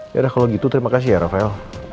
yaudah kalau gitu terima kasih ya rafael